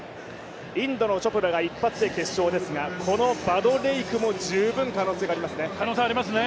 インドのチョプラが一発で決勝ですが、このバドレイクも十分可能性ありますね。